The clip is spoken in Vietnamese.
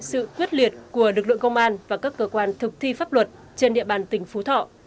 sự quyết liệt của lực lượng công an và các cơ quan thực thi pháp luật trên địa bàn tỉnh phú thọ